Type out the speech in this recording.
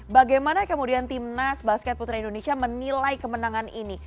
bagaimana kemudian timnas basket putra indonesia menilai kemenangan ini